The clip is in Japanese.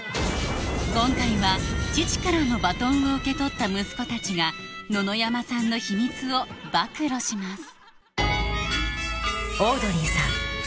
今回は父からのバトンを受け取った息子たちが野々山さんの秘密を暴露します